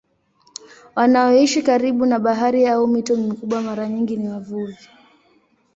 Wanaoishi karibu na bahari au mito mikubwa mara nyingi ni wavuvi.